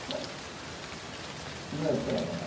今やったらまだ。